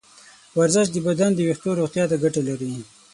ورزش د بدن د ویښتو روغتیا ته ګټه لري.